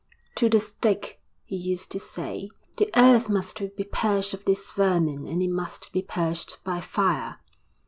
'To the stake!' he used to say. 'The earth must be purged of this vermin, and it must be purged by fire.'